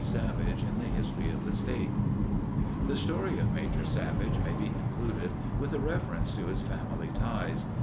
Savage in the history of the state. The story of Major Savage may be concluded with a reference to his family ties.